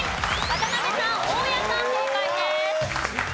渡辺さん大家さん正解です。